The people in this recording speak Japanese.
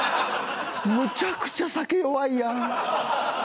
むちゃくちゃ酒弱いやん。